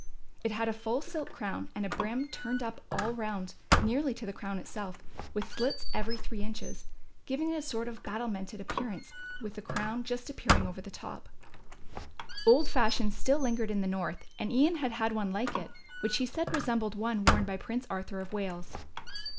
It had a full silk crown and a brim turned up all round nearly to the crown itself, with slits every three inches, giving it a sort of battlemented appearance with the crown just appearing above the top. Old fashions still lingered in the North and Ian had had one like it, which he said resembled one worn by Prince Arthur of Wales.